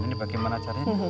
ini bagaimana caranya